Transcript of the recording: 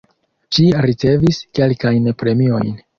Ŝi ricevis kelkajn premiojn.